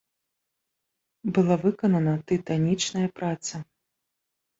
Была выканана тытанічная праца.